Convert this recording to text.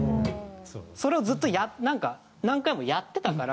それをずっとなんか何回もやってたから。